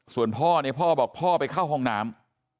ส่วนพ่อเนี่ยพ่อบอกพ่อไปเข้าห้องน้ำ